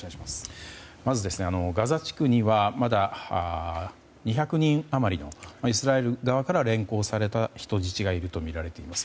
まず、ガザ地区には２００人余りのイスラエル側から連行された人質がいるとみられています。